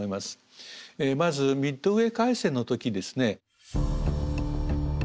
まずミッドウェー海戦の時ですね。